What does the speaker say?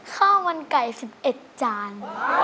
ข้าวมันไก่๑๑จาน